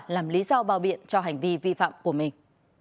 làm lý do bao biện cho hành vi vi phạm của mình